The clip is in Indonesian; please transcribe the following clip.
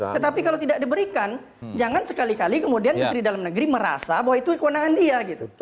tetapi kalau tidak diberikan jangan sekali kali kemudian menteri dalam negeri merasa bahwa itu kewenangan dia gitu